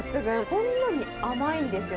ほんのり甘いんですよ。